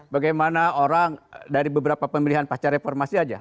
bagaimana orang dari beberapa pemilihan pacar reformasi saja